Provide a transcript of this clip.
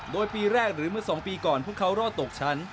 โดยปีแรกหรือเมื่อ๒ปีก่อนพวกเขารอดตกชั้น